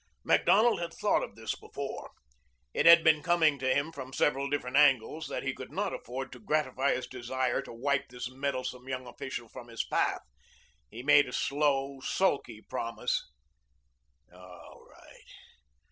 Macdonald had thought of this before. It had been coming to him from several different angles that he could not afford to gratify his desire to wipe this meddlesome young official from his path. He made a slow, sulky promise. "All right.